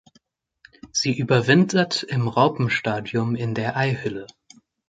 Sie überwintert im Raupenstadium in der Eihülle.